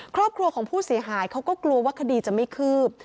ครอบครัวของผู้เสียหายเขาก็กลัวว่าคดีจะไม่คืบ